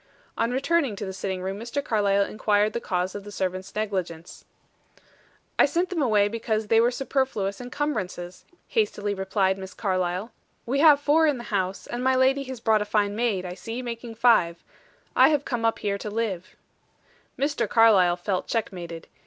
On returning to the sitting room Mr. Carlyle inquired the cause of the servants' negligence. "I sent them away because they were superfluous encumbrances," hastily replied Miss Carlyle. "We have four in the house, and my lady has brought a fine maid, I see, making five. I have come up here to live." Mr. Carlyle felt checkmated.